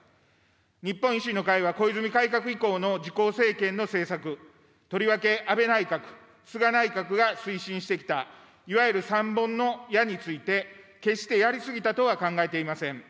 日本維新の会は小泉改革以降の自公政権の政策、とりわけ安倍内閣、菅内閣が推進してきたいわゆる三本の矢について、決してやり過ぎたとは考えていません。